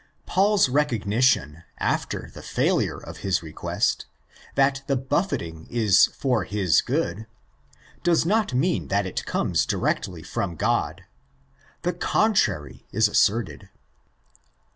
Paul's recognition, after the failure of his request, that the " buffeting " is for his good, does not mean that it comes directly from Ged: the contrary is asserted.